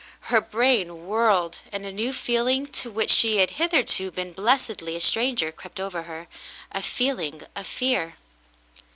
Her brain whirled, and a new feel ing to which she had hitherto been blessedly a stranger crept over her, a feeling of fear.